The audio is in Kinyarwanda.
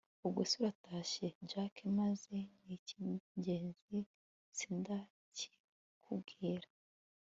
ubwo se uratashye jack, maze nicyigenzi sindakikubwira